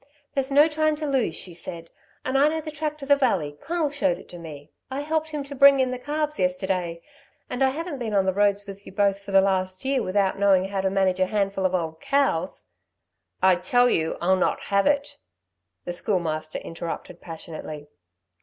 "There's no time to lose," she said, "and I know the track to the Valley. Conal showed it to me I helped him to bring in the calves yesterday, and I haven't been on the roads with you both for the last year without knowing how to manage a handful of old cows." "I tell you, I'll not have it," the Schoolmaster interrupted passionately.